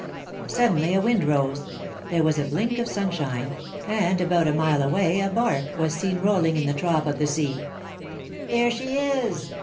Suddenly a wind rose, there was a blink of sunshine, and about a mile away a bark was seen rolling in the trough of the sea. "There she is!"